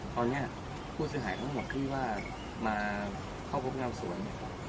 ตอนเนี้ยผู้จะหายทั้งหมดคือว่ามาเข้าพวกน้ำสวนเนี่ย